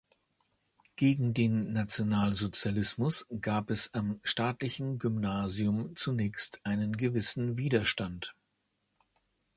Gegen den Nationalsozialismus gab es am Staatlichen Gymnasium zunächst einen gewissen Widerstand.